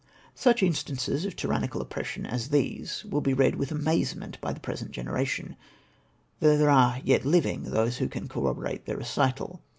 Such instances of tyrannical oppression as these will be read with amazement by tlie present generation, though there are those yet living who can corroborate their recital.